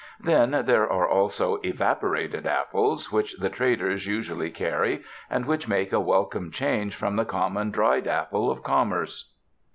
Then there are also "evaporated" apples, which the traders usually carry and which make a welcome change from the common dried apple of commerce.